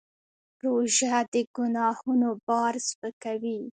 روژه د ګناهونو بار سپکوي.